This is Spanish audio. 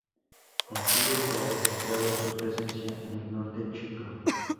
En Chile se ha registrado su presencia en el Norte Chico.